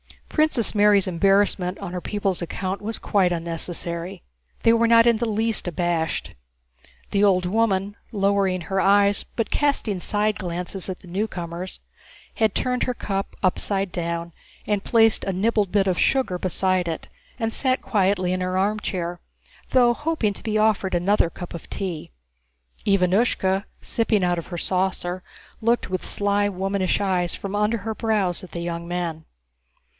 Princess Mary's embarrassment on her people's account was quite unnecessary. They were not in the least abashed. The old woman, lowering her eyes but casting side glances at the newcomers, had turned her cup upside down and placed a nibbled bit of sugar beside it, and sat quietly in her armchair, though hoping to be offered another cup of tea. Ivánushka, sipping out of her saucer, looked with sly womanish eyes from under her brows at the young men.